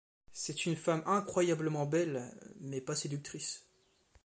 C'est une femme incroyablement belle, mais pas séductrice.